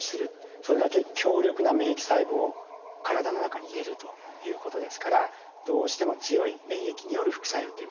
それだけ強力な免疫細胞を体の中に入れるということですからどうしても強い免疫による副作用というものは起こってきます。